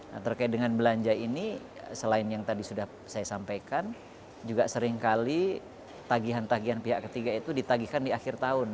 nah terkait dengan belanja ini selain yang tadi sudah saya sampaikan juga seringkali tagihan tagihan pihak ketiga itu ditagihkan di akhir tahun